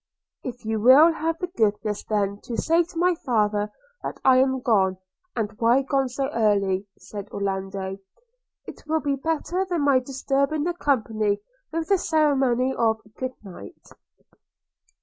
'If you will have the goodness then to say to my father that I am gone, and why gone so early,' said Orlando, 'it will be better than my disturbing the company with the ceremony of – Good night!'